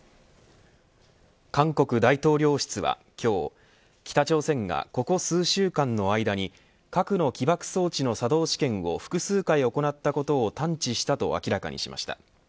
韓国大統領室は今日北朝鮮が、ここ数週間の間に核の起爆装置の作動試験を複数回行ったことを探知したと明らかにしました。